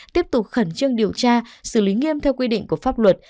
tiếp tục khẩn trương điều tra xử lý nghiêm theo quy định của pháp luật